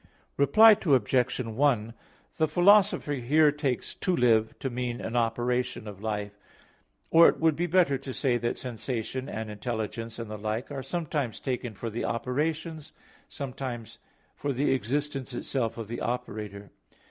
Reply Obj. 1: The Philosopher here takes "to live" to mean an operation of life. Or it would be better to say that sensation and intelligence and the like, are sometimes taken for the operations, sometimes for the existence itself of the operator.